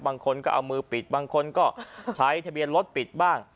บางคนก็เอามือปิดบางคนก็ใช้ทะเบียนรถปิดบ้าง